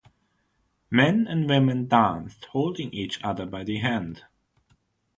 Men and women danced holding each other by the hand.